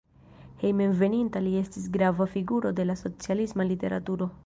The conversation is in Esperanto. Hejmenveninta li estis grava figuro de la socialisma literaturo.